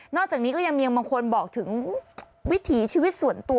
อกจากนี้ก็ยังมีบางคนบอกถึงวิถีชีวิตส่วนตัว